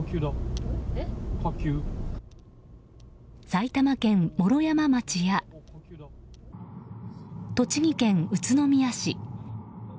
埼玉県毛呂山町や栃木県宇都宮市